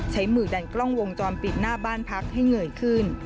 ใช้มือดันกล้องวงจรปิดหน้าบ้านพักให้เงยขึ้น